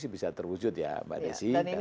bisa terwujud ya mbak desi